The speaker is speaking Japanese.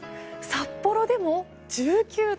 札幌でも１９度。